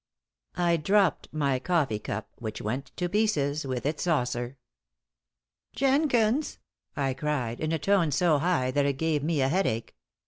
I dropped my coffee cup, which went to pieces with its saucer. "Jenkins?" I cried; in a tone so high that it gave me a headache.